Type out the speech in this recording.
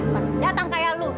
bukan datang kayak lu